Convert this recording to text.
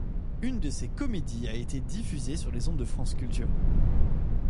Une de ses comédies a été diffusée sur les ondes de France Culture.